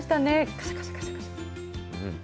かしゃかしゃ、かしゃかしゃ。